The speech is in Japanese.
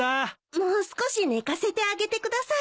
もう少し寝かせてあげてください。